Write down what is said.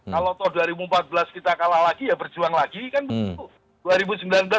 kalau tahun dua ribu empat belas kita kalah lagi ya berjuang lagi kan begitu